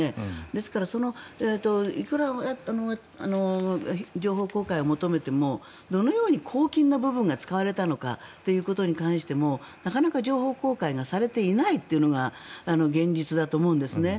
ですからいくら情報公開を求めてもどのように公金の部分が使われたのかということに関してもなかなか情報公開がされていないというのが現実だと思うんです。